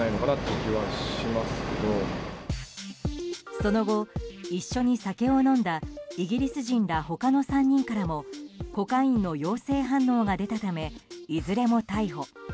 その後、一緒に酒を飲んだイギリス人ら他の３人からもコカインの陽性反応が出たためいずれも逮捕。